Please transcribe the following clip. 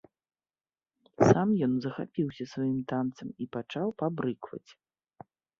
Сам ён захапіўся сваім танцам і пачаў пабрыкваць.